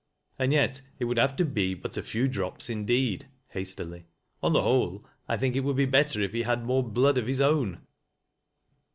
And yet it would ha\e to be but a few drcpe indeed," hastily. "On the whole 1 think it w.ald b« better if he had more blood of his own."